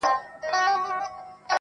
د ریا بازار یې بیا رونق پیدا کړ,